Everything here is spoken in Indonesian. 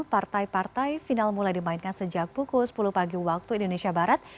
partai partai final mulai dimainkan sejak pukul sepuluh pagi waktu indonesia barat